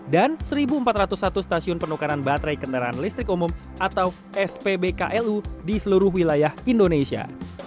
dan satu empat ratus satu stasiun penukaran baterai kendaraan listrik umum atau spbklu di seluruh wilayah indonesia